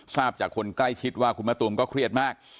ทราบจากคนใกล้ชิดว่าคุณมะตูมก็เครียดมาก